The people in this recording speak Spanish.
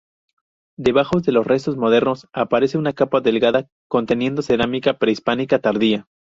Debajo de los restos modernos aparece una capa delgada conteniendo cerámica prehispánica tardía.